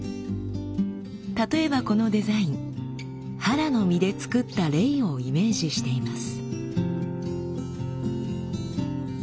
例えばこのデザインハラの実で作ったレイをイメージしています。